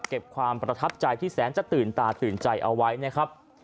ความประทับใจที่แสนจะตื่นตาตื่นใจเอาไว้นะครับ